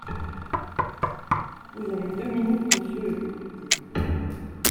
Vous avez deux minutes, monsieur le député.